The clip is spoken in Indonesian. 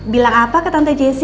bilang apa ke tante jessi